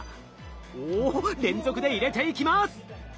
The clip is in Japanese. おおっ連続で入れていきます。